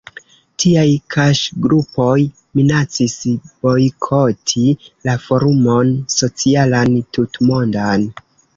Tiaj kaŝgrupoj minacis bojkoti la Forumon Socialan Tutmondan.